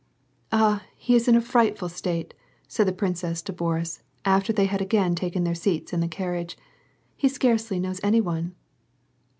" Ah, he is in a frightful state," said the princess to Boris, after they had again taken their seats in the carriage. " He scarcely knows any one."